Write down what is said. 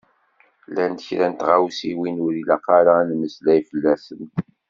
Llant kra n tɣawsiwin ur ilaq ara ad nemmeslay fell-asent.